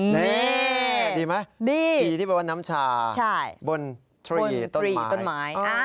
นี่ดีไหมทีที่บอกว่าน้ำชาบนต้นไม้ใช่บนต้นไม้